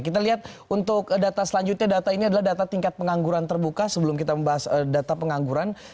kita lihat untuk data selanjutnya data ini adalah data tingkat pengangguran terbuka sebelum kita membahas data pengangguran